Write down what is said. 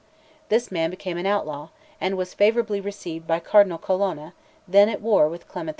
This man became an outlaw, and was favourably received by Cardinal Colonna, then at war with Clement VII.